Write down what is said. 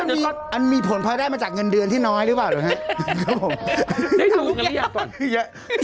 อันนี้มีผลพอได้มาจากเงินเดือนที่น้อยรูปะหรือันแห่งนี้